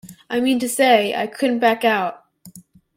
I mean to say, I couldn't back out.